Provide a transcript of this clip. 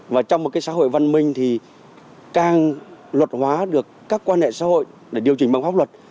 và trong một cái xã hội văn minh thì càng luật hóa được các quan hệ xã hội để điều chỉnh bằng pháp luật